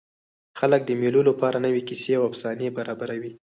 خلک د مېلو له پاره نوي کیسې او افسانې برابروي.